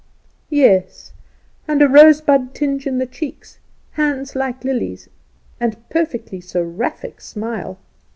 "Yes; and a rose bud tinge in the cheeks; hands like lilies, and perfectly seraphic smile."